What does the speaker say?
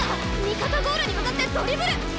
味方ゴールに向かってドリブル！